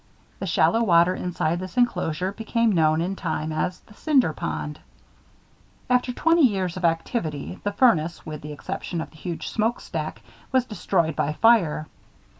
The shallow water inside this inclosure became known, in time, as "The Cinder Pond." After twenty years of activity, the furnace, with the exception of the huge smoke stack, was destroyed by fire.